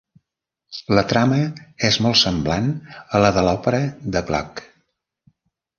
La trama és molt semblant a la de l'òpera de Gluck.